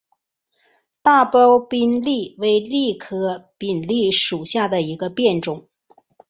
大苞滨藜为藜科滨藜属下的一个变种。